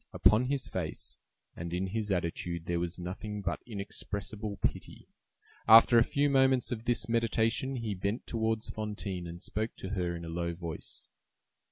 Upon his face and in his attitude there was nothing but inexpressible pity. After a few moments of this meditation he bent towards Fantine, and spoke to her in a low voice.